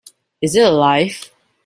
Is it alive?’